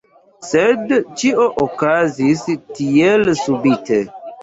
Sed ĉio okazis tielsubite.